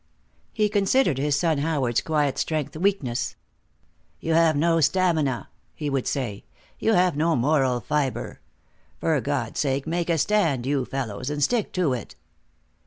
He considered his son Howard's quiet strength weakness. "You have no stamina," he would say. "You have no moral fiber. For God's sake, make a stand, you fellows, and stick to it."